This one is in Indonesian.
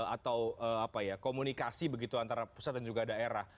atau komunikasi begitu antara pusat dan juga daerah